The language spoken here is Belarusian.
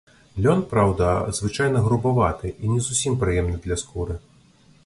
Лён, праўда, звычайна, грубаваты і не зусім прыемны для скуры.